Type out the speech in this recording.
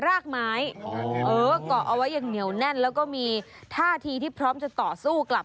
อ้าวออกมา